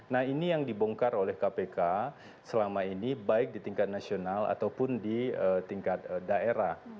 nah ini yang dibongkar oleh kpk selama ini baik di tingkat nasional ataupun di tingkat daerah